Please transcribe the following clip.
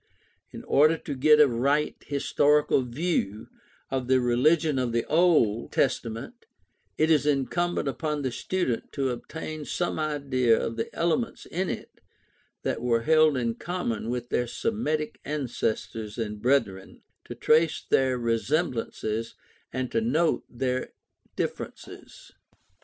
In order to get a right historical view of the religion of the Old I40 GUIDE TO STUDY OF CHRISTIAN RELIGION Testament, it is incumbent upon the student to obtain some idea of the elements in it that were held in common with their Semitic ancestors and brethren, to trace their resem blances, and to note their differences.